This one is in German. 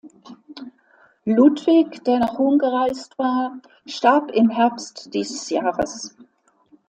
Ludwig, der nach Rom gereist war, starb im Herbst dieses Jahres.